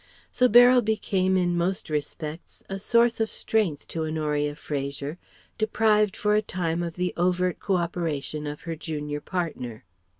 So Beryl became in most respects a source of strength to Honoria Fraser, deprived for a time of the overt co operation of her junior partner.